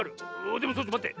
でもちょっとまって。